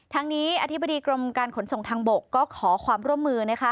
ทั้งนี้อธิบดีกรมการขนส่งทางบกก็ขอความร่วมมือนะคะ